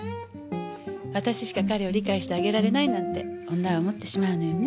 私しか彼を理解してあげられないなんて女は思ってしまうのよね。